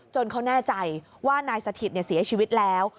เขาแน่ใจว่านายสถิตเสียชีวิตแล้ว